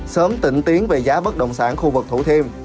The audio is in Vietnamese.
sớm tỉnh tiến về giá bất động sản khu vực thủ thiêm